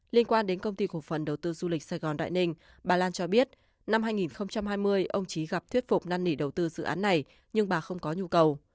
liên quan đến công ty cổ phần đầu tư du lịch sài gòn đại ninh bà lan cho biết năm hai nghìn hai mươi ông trí gặp thuyết phục năn nỉ đầu tư dự án này nhưng bà không có nhu cầu